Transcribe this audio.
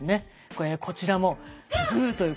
これこちらもグーということで。